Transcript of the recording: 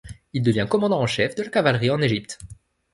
Il devient commandant en chef de la cavalerie en Egypte.